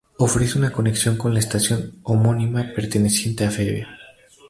Ofrece una conexión con la estación homónima perteneciente a Feve.